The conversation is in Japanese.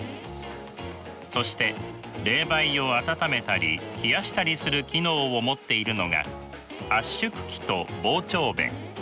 そして冷媒を暖めたり冷やしたりする機能を持っているのが圧縮機と膨張弁。